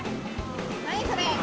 何それ？